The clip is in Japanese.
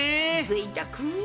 ぜいたく！